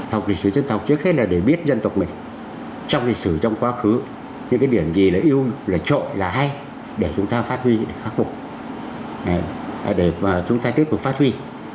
học lịch sử dân tộc trước hết là để biết dân tộc mình trong lịch sử trong quá khứ những cái điểm gì là yêu là trộm là hay để chúng ta phát huy khắc phục để chúng ta tiếp tục phát huy